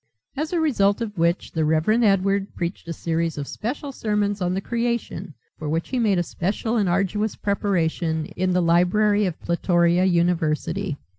As a result of which the Reverend Edward preached a series of special sermons on the creation for which he made a special and arduous preparation in the library of Plutoria University.